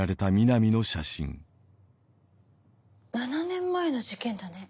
７年前の事件だね。